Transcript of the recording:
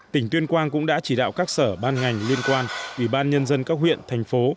tỉnh tuyên quang cũng đã chỉ đạo các sở ban ngành liên quan ủy ban nhân dân các huyện thành phố